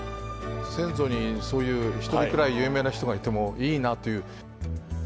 先祖にそういう１人くらい有名な人がいてもいいなという。